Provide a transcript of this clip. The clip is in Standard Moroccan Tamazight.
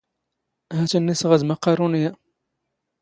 ⵀⴰ ⵜ ⵉⵏⵏ ⵉⵙⵖⴰ ⴷ ⵎⴰⵇⴰⵔⵓⵏⵉⵢⴰ.